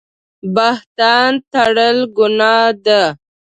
بهتان تړل ګناه ده